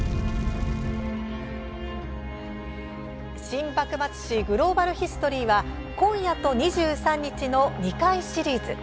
「新・幕末史グローバル・ヒストリー」は今夜と２３日の２回シリーズ。